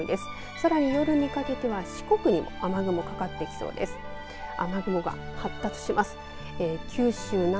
さらに夜にかけては四国にも雨雲かかってきそうです。